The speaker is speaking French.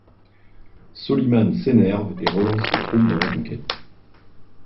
Soliman s'énerve et relance ses troupes dans la conquête.